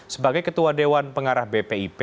sebagai ketua dewan pengarah bpip